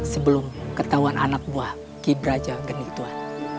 sebelum ketahuan anak buah ki braja geni tuhan